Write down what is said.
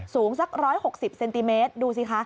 สูงสัก๑๖๐เซนติเมตรดูสิคะ